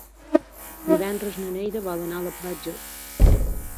Divendres na Neida vol anar a la platja.